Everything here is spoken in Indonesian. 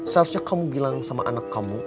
seharusnya kamu bilang sama anak kamu